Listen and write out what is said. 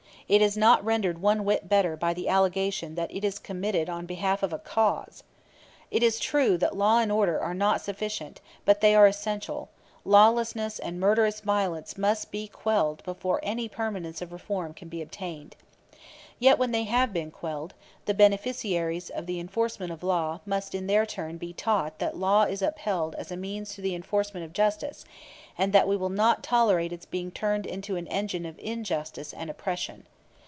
It is not rendered one whit better by the allegation that it is committed on behalf of "a cause." It is true that law and order are not all sufficient; but they are essential; lawlessness and murderous violence must be quelled before any permanence of reform can be obtained. Yet when they have been quelled, the beneficiaries of the enforcement of law must in their turn be taught that law is upheld as a means to the enforcement of justice, and that we will not tolerate its being turned into an engine of injustice and oppression.